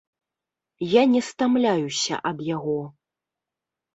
Я не стамляюся ад яго.